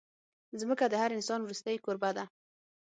ځمکه د هر انسان وروستۍ کوربه ده.